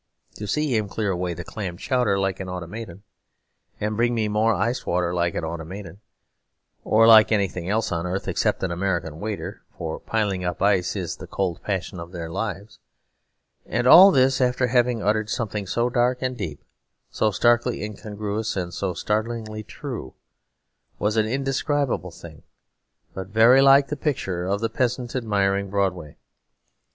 To see him clear away the clam chowder like an automaton, and bring me more iced water like an automaton or like nothing on earth except an American waiter (for piling up ice is the cold passion of their lives), and all this after having uttered something so dark and deep, so starkly incongruous and so startlingly true, was an indescribable thing, but very like the picture of the peasant admiring Broadway.